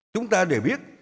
chúng ta để biết